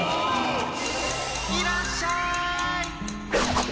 いらっしゃい！